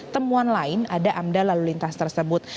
temuan lain ada amda lalu lintas tersebut